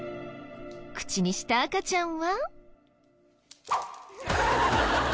口にした赤ちゃんは。